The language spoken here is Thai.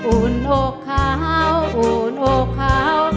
อุ่นโฆ่าอุ่นโฆ่า